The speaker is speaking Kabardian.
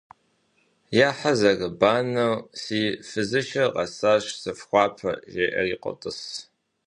Я хьэр зэрыбанэу «Си фызышэр къэсащ, сыфхуапэ», — жеӏэри къотӏыс.